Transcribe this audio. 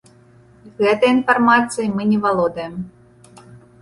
Гэтай інфармацыяй мы не валодаем.